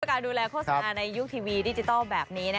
การดูแลโฆษณาในยุคทีวีดิจิทัลแบบนี้